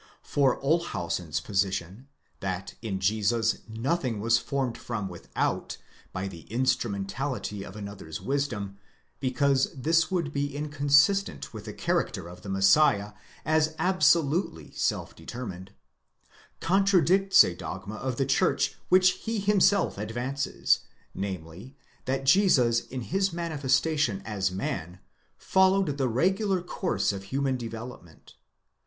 For Olshausen's position,!*—that in Jesus nothing was formed from without, by the instrumentality of another's wisdom, because this would be inconsistent with the character of the Messiah, as absolutely self determined, —contradicts a dogma of the church which he himself advances, namely, that Jesus in his manifestation as man, followed the regular course of . human development.